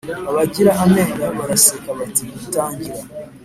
Abagira amenyo baraseka bati tangira